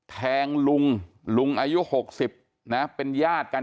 แทงลุงลุงอายุ๖๐นะเป็นญาติกัน